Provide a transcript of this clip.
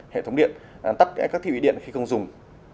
hệ thống điện tắt các thiết bị điện khi không dùng